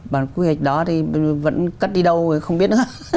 bản quy hoạch đó thì vẫn cất đi đâu không biết nữa